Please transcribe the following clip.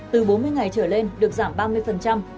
từ bốn mươi ngày trở lên được giảm ba mươi